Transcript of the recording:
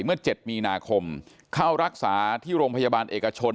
เมื่อ๗มีนาคมเข้ารักษาที่โรงพยาบาลเอกชน